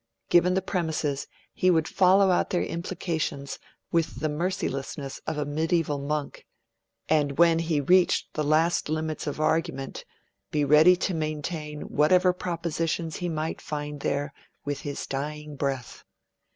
Given the premises, he would follow out their implications with the mercilessness of a medieval monk, and when he had reached the last limits of argument, be ready to maintain whatever propositions he might find there with his dying breath.